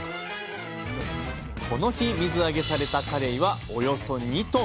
この日水揚げされたカレイはおよそ２ｔ！